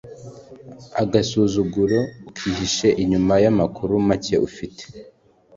agasuzuguro kihishe inyuma Y'AMAKURU MAKE UFITE